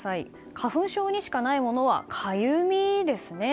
花粉症にしかない症状はかゆみですね。